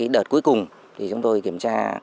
đợt cuối cùng chúng tôi kiểm tra